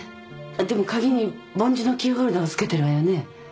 でも鍵に梵字のキーホルダーを付けてるわよね？